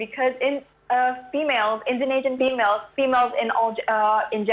karena perempuan indonesia perempuan di seluruh dunia